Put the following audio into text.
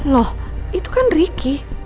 loh itu kan ricky